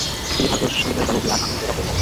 তিনি ভারতীয় সংবিধানের জনক বি আর আম্বেদকের নাতি।